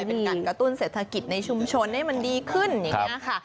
เป็นการกระตุ้นเศรษฐกิจในชุมชนให้มันดีขึ้นอย่างนี้ค่ะ